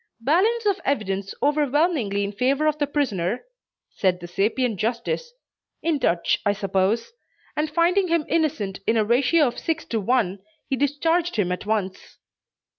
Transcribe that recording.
"Balance of evidence overwhelmingly in favor of the prisoner," said the sapient justice (in Dutch I suppose,) and finding him innocent in a ratio of six to one, he discharged him at once.